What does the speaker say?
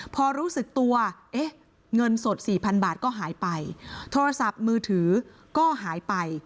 พอรู้สึกตัวเอ๊ะเงินสดสี่พันบาทก็หายไปโทรศัพท์มือถือก็หายไป